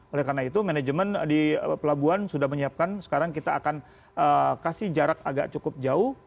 oleh karena itu manajemen di pelabuhan sudah menyiapkan sekarang kita akan kasih jarak agak cukup jauh